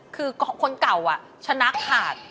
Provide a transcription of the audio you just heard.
คือคนเก่าชนะขาด